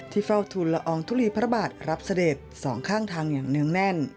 เฝ้าทุนละอองทุลีพระบาทรับเสด็จสองข้างทางอย่างเนื่องแน่น